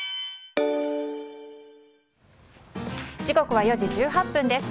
時刻は４時１８分です。